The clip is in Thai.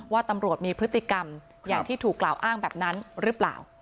ว่าตำรวจมีพฤติกรรมอย่างที่ถูกกล่าวอ้างแบบนั้นหรือเปล่า